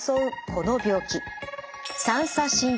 この病気。